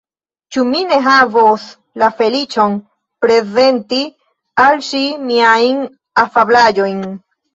Ĉu mi ne havos la feliĉon prezenti al ŝi miajn afablaĵojn?